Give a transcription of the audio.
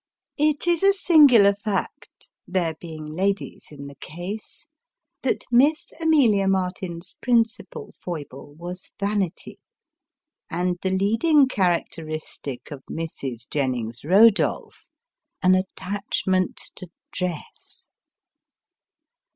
It is a singular fact (there being ladies in the case) that Miss Amelia Martin's principal Miss Amelia Martin's D6but. 189 foible was vanity, and the leading characteristic of Mrs. Jennings Rodolph an attachment to dress.